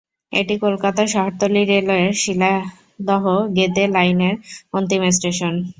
এটি কলকাতা শহরতলি রেলওয়ের শিয়ালদহ-গেদে লাইনের অন্তিম স্টেশন।